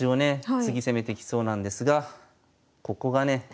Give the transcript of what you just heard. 次攻めてきそうなんですがここがね